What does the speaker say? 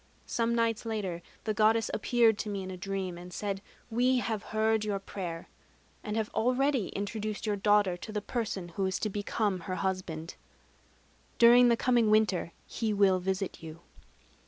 Some nights later, the Goddess appeared to me in a dream, and said: 'We have heard your prayer, and have already introduced your daughter to the person who is to become her husband. During the coming winter he will visit you.'